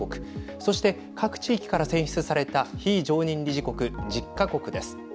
そして各地域から選出された非常任理事国１０か国です。